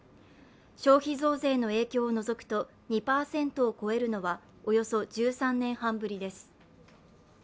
消費増税の影響を除くと２％を超えるのはおよそ１３年半ぶりです。